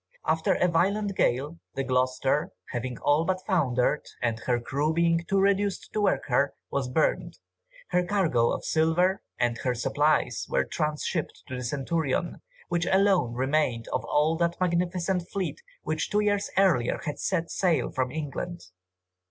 After a violent gale, the Gloucester, having all but foundered, and her crew being too reduced to work her, was burnt. Her cargo of silver, and her supplies were trans shipped to the Centurion, which alone remained of all that magnificent fleet which two years earlier had set sail from England!